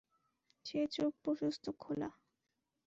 সে চোখ প্রশস্ত, খোলা।